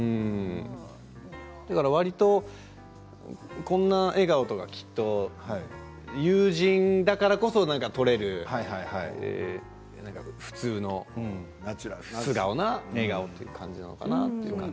だから、わりとこんな笑顔とか、きっと友人だからこそ撮れる普通の素顔な笑顔という感じなのかなと。